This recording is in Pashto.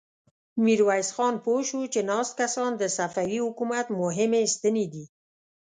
ميرويس خان پوه شو چې ناست کسان د صفوي حکومت مهمې ستنې دي.